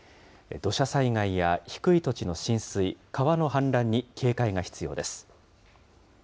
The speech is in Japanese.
土砂災害や低い土地の浸水、川の氾濫に警戒が必要です。